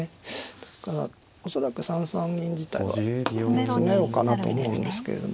ですから恐らく３三銀自体は詰めろかなと思うんですけれども。